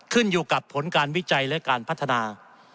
ขึ้นอยู่กับผลการวิจัยและการพัฒนา